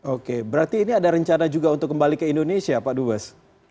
oke berarti ini ada rencana juga untuk kembali ke indonesia pak dubes